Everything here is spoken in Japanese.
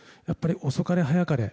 遅かれ早かれ